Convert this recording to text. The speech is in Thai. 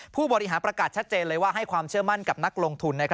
ผู้บริหารประกาศชัดเจนเลยว่าให้ความเชื่อมั่นกับนักลงทุน